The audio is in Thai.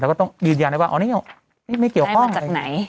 แต่ก็ต้องยืนยันได้ว่าอ๋อนี่ไม่เกี่ยวข้องจากไหน